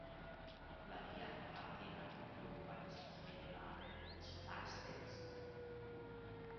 La via appartiene al nucleo urbanistico medievale della città estense.